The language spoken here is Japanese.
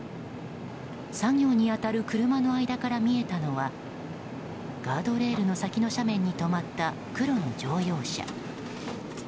作業に当たる車の間から見えたのはガードレールの先の斜面に止まった黒の乗用車。